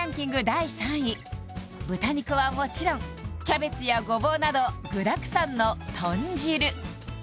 第３位豚肉はもちろんキャベツやごぼうなど具だくさんの豚汁